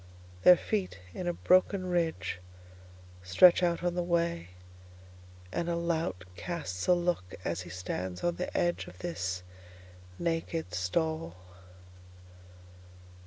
Their feet, in a broken ridgeStretch out on the way, and a lout castsA look as he stands on the edge of this naked stall.